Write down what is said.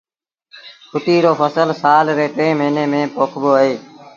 ڦٽيٚ رو ڦسل سآل ري ٽي موهيݩي ميݩ پوکبو اهي